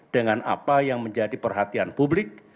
dengan apa yang menjadi perhatian publik